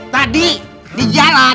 tadi di jalan